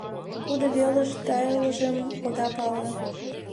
Кудо велыш тайылжым ода пале.